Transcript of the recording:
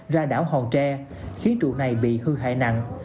ra đảo hòn tre khiến trụ này bị hư hại nặng